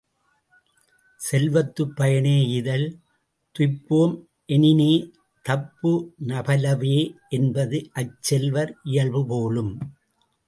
செல்வத்துப் பயனே ஈதல், துய்ப்பேம் எனினே தப்புந பலவே என்பது அச் செல்வர் இயல்பு போலும்!